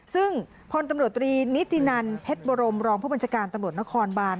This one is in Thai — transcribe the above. ซึ่งพลตำรวจตรีนิตินันเพชรบรมรองผู้บัญชาการตำรวจนครบาน